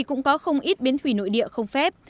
cũng có không ít biến thủy nội địa không phép